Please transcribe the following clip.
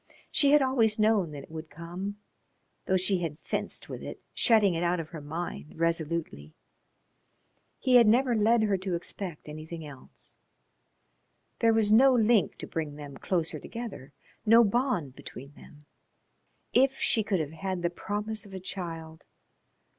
She had always known that it would come, though she had fenced with it, shutting it out of her mind resolutely. He had never led her to expect anything else. There was no link to bring them closer together, no bond between them. If she could have had the promise of a child.